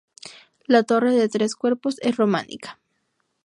La torre de tres cuerpos es románica.